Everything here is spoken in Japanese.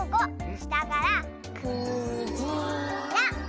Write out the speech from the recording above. したからく・じ・ら！